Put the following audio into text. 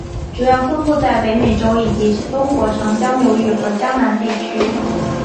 主要分布在北美洲以及中国长江流域和江南地区。